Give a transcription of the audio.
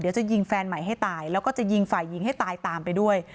เดี๋ยวจะยิงแฟนใหม่ให้ตายแล้วก็จะยิงฝ่ายหญิงให้ตายตามไปด้วย